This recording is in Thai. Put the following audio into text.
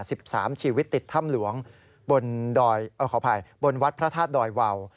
สิบสามชีวิตติดถ้ำหลวงบนวัดพระธาตุดอยวาว